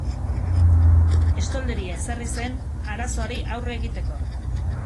Estolderia ezarri zen arazoari aurre egiteko.